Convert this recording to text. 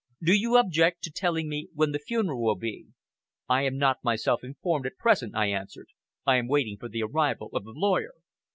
Do you object to telling me when the funeral will be?" "I am not myself informed, at present," I answered. "I am waiting for the arrival of the lawyer."